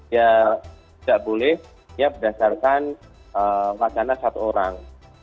ya tidak boleh ya berdasarkan wacana satu orang